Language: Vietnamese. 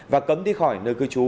và cấm đi khỏi nơi cư trú